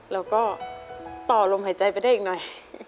แล้วก็ต่อลมหายใจไปได้อีกหน่อย